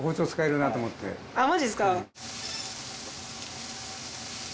あっマジですか？